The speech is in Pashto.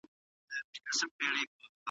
احمد شاه ابدالي څنګه د سوداګرۍ لارې خوندي کړې؟